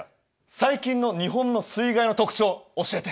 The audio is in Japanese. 最近の日本の水害の特徴教えて。